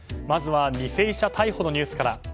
まずは偽医者逮捕のニュースから。